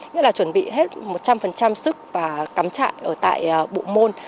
nhất là chuẩn bị hết một trăm linh sức và cắm trại ở tại bộ môn